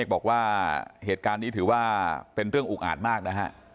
บอกว่าเหตุการณ์นี้ถือว่าเป็นเรื่องอุกอาจมากนะฮะ